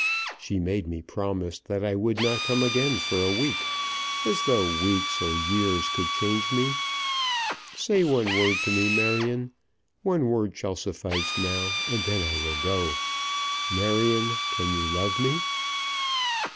She made me promise that I would not come again for a week, as though weeks or years could change me? Say one word to me, Marion. One word shall suffice now, and then I will go. Marion, can you love me?"